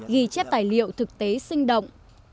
ghi chép tài liệu thực tế sinh động